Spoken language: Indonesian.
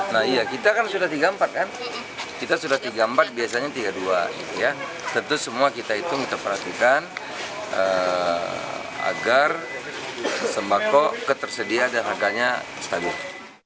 nah iya kita kan sudah tiga puluh empat kan kita sudah tiga puluh empat biasanya tiga puluh dua tentu semua kita hitung kita perhatikan agar sembako ketersedia dan harganya stabil